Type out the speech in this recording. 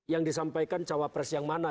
yang disampaikan cawapres yang mana